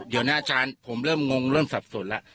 เดี๋ยวนะอาจารย์ผมเริ่มงงเริ่มสับสนแล้ว